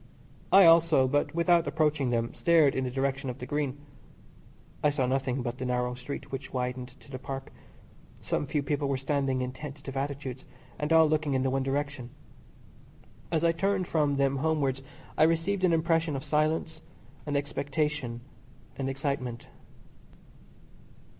I also, but without approaching them, stared in the direction of the Green. I saw nothing but the narrow street which widened to the Park. Some few people were standing in tentative attitudes, and all looking in the one direction. As I turned from them homewards I received an impression of silence and expectation and excitement.